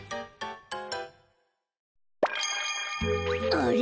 あれ？